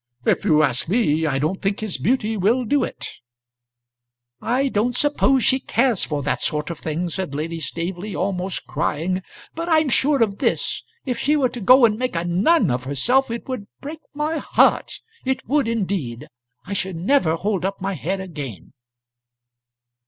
"If you ask me, I don't think his beauty will do it." "I don't suppose she cares for that sort of thing," said Lady Staveley, almost crying. "But I'm sure of this, if she were to go and make a nun of herself, it would break my heart, it would, indeed. I should never hold up my head again."